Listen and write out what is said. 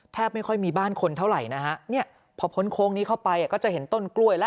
ไม่ค่อยมีบ้านคนเท่าไหร่นะฮะเนี่ยพอพ้นโค้งนี้เข้าไปก็จะเห็นต้นกล้วยแล้ว